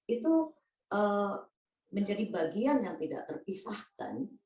itu menjadi bagian yang tidak terpisahkan